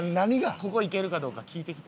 ここ行けるかどうか聞いてきて。